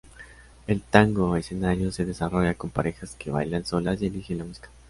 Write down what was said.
El tango escenario se desarrolla con parejas que bailan solas y eligen la música.